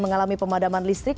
mengalami pemadaman listrik